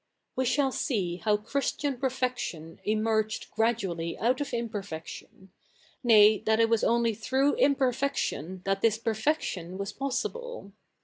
We shall see how Chris tia?t perfection emerged gradually out of i??iperfection — nay, that it tvas o?tly through iniperfection that thisperfec tioji zvas possible.